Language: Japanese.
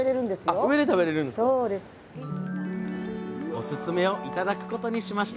おすすめを頂くことにしました！